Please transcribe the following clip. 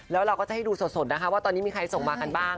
แล้วเราก็จะให้ดูสดนะคะว่าตอนนี้มีใครส่งมากันบ้าง